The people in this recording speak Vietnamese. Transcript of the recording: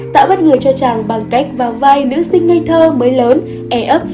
tạo bất ngờ cho chàng bằng cách vào vai nữ sinh ngây thơ mới lớn e ấp